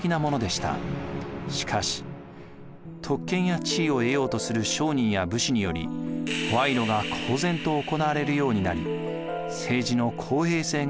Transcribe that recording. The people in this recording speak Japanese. しかし特権や地位を得ようとする商人や武士により賄賂が公然と行われるようになり政治の公平性が損なわれていきます。